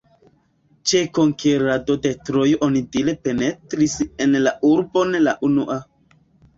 Ĉe konkerado de Trojo onidire penetris en la urbon la unua.